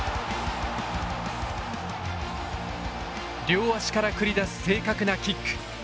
両足から繰り出す正確なキック。